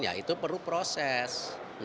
ya itu perlu proses